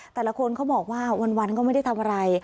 แต่ละคนเขาบอกว่าวันก็ไม่ได้ทำอะไร